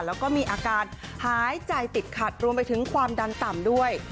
แล้วก็มีอาการหายใจติดขัดรวมไปถึงความดันต่ำด้วย